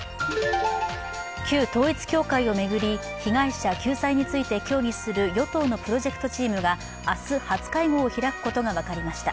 旧統一教会を巡り被害者救済について協議する与党のプロジェクトチームが明日、初会合を開くことが分かりました。